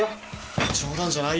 冗談じゃないよ。